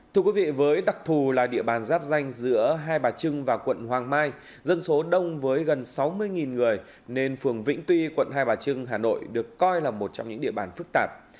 thưa quý vị với đặc thù là địa bàn giáp danh giữa hai bà trưng và quận hoàng mai dân số đông với gần sáu mươi người nên phường vĩnh tuy quận hai bà trưng hà nội được coi là một trong những địa bàn phức tạp